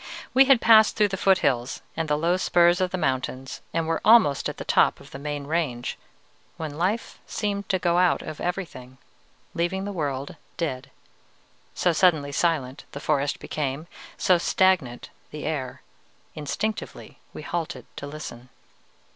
"We had passed through the foothills and the low spurs of the mountains, and were almost at the top of the main range, when life seemed to go out of everything, leaving the world dead, so suddenly silent the forest became, so stagnant the air. Instinctively we halted to listen.